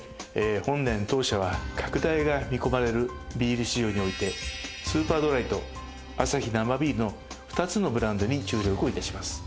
本年当社は拡大が見込まれるビール市場においてスーパードライとアサヒ生ビールの２つのブランドに注力を致します。